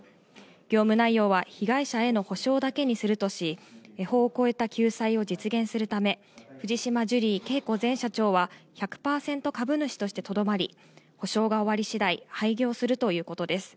業務内容は被害者への補償だけにするとし、法を超えた救済を実現するため、藤島ジュリー景子前社長は１００％株主としてとどまり、補償が終わりしだい、廃業するということです。